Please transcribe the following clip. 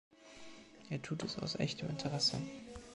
Er tut es aus echtem Interesse.